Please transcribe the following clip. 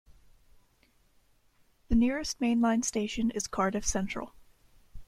The nearest main line station is Cardiff Central.